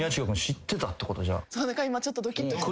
だから今ちょっとドキッとすごい。